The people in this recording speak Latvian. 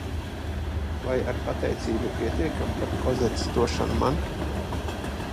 Vai ar pateicību ir pietiekami par Kozetes došanu man?